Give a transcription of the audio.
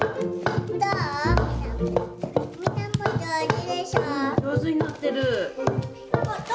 うん上手になってる。